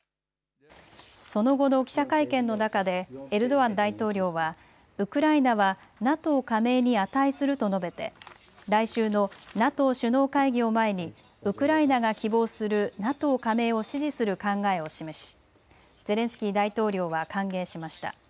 その後の記者会見の中でエルドアン大統領はウクライナはＮＡＴＯ加盟に値すると述べて来週のＮＡＴＯ首脳会議を前にウクライナが希望するＮＡＴＯ加盟を支持する考えを示しゼレンスキー大統領は歓迎しました。